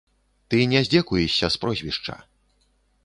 Ты не здзекуешся з прозвішча.